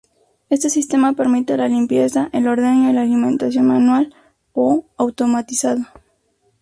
Este sistema permite la limpieza, el ordeño y la alimentación manual o automatizada.